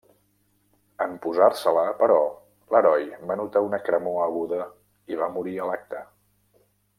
En posar-se-la, però, l'heroi va notar una cremor aguda i va morir a l'acte.